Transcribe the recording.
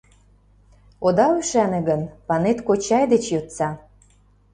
Ода ӱшане гын, Панет кочай деч йодса.